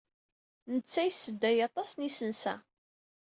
Netta yessedday aṭas n yisensa.